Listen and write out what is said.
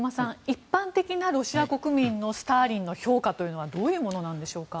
一般的なロシア国民のスターリンの評価というのはどういうものなんでしょうか。